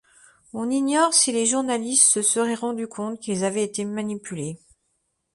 On ignore si les journalistes se seraient rendus compte qu'ils avaient été manipulés.